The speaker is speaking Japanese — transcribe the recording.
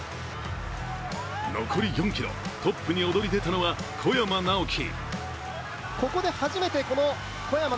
残り４ｋｍ、トップに躍り出たのは小山直城。